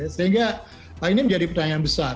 sehingga ini menjadi pertanyaan besar